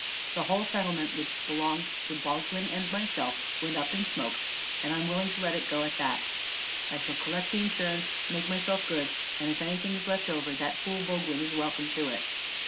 The whole settlement, which belonged to Boglin and myself, went up in smoke, and I'm willing to let it go at that. I shall collect the insurance, make myself good, and if anything's left over, that fool Boglin is welcome to it.